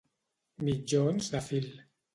Mitjons de fil